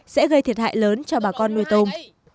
sẽ gây thiệt hại lớn cho bà con nuôi tôm